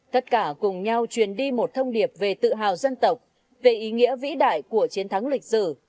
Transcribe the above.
tất cả cùng nhau truyền đi một thông điệp về tự hào dân tộc về ý nghĩa vĩ đại của chiến thắng lịch sử